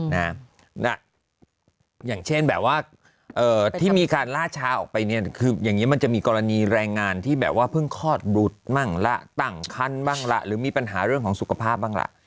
อย่างเช่นแบบว่าที่มีการล่าช้าออกไปเนี่ยคืออย่างนี้มันจะมีกรณีแรงงานที่แบบว่าเพิ่งคลอดบรุษบ้างละตั้งคันบ้างล่ะหรือมีปัญหาเรื่องของสุขภาพบ้างล่ะ